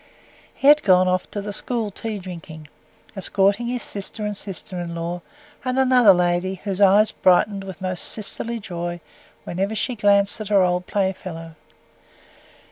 He had gone off to the school tea drinking, escorting his sister and sister in law, and another lady, whose eyes brightened with most "sisterly" joy whenever she glanced at her old playfellow.